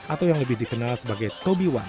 atau yang lebih dikenal sebagai toby dawson